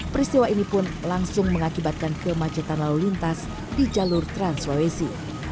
peristiwa ini pun langsung mengakibatkan kemacetan lalu lintas di jalur trans sulawesi